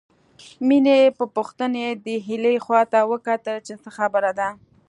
مينې په پوښتنې د هيلې خواته وکتل چې څه خبره ده